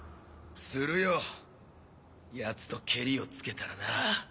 するよ奴とケリをつけたらな。